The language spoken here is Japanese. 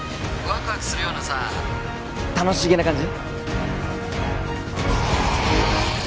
ワクワクするようなさ楽しげな感じ？